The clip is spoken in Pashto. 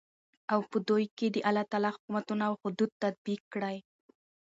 او په دوى كې دالله تعالى حكمونه او حدود تطبيق كړي .